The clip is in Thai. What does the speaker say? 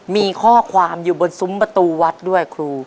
มีข้อความอยู่บนซุ้มประตูวัดด้วยครู